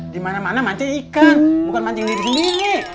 di mana mana mancing ikan bukan mancing sendiri